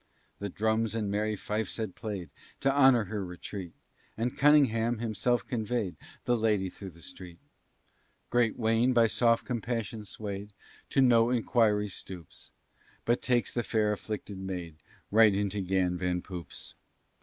The drums and merry fifes had play'd To honor her retreat, And Cunningham himself convey'd The lady through the street. Great Wayne, by soft compassion sway'd, To no inquiry stoops, But takes the fair afflicted maid Right into Yan Van Poop's.